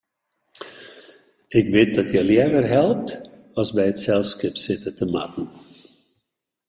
Ik wit dat hja leaver helpt as by it selskip sitte te moatten.